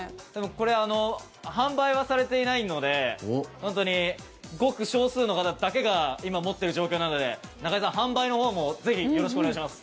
これ販売はされていないので本当にごく少数の方だけが今、持っている状況なので中居さん、販売のほうもぜひよろしくお願いします。